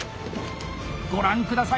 ご覧ください